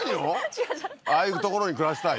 違う違うああいう所に暮らしたい？